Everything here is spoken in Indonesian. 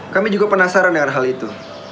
kami juga penasaran dengan hal itu